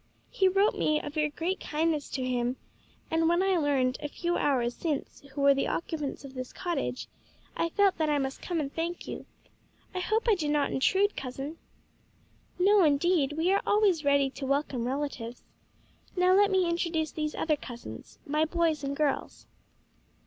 "He wrote me of your great kindness to him, and when I learned, a few hours since, who were the occupants of this cottage, I felt that I must come and thank you. I hope I do not intrude, cousin?" "No, indeed; we are always ready to welcome relatives. Now let me introduce these other cousins my boys and girls."